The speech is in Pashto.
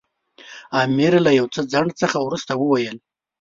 امیر له یو څه ځنډ څخه وروسته وویل.